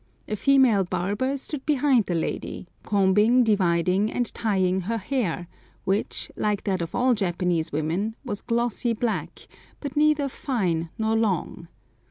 A female barber stood behind the lady, combing, dividing, and tying her hair, which, like that of all Japanese women, was glossy black, but neither fine nor long.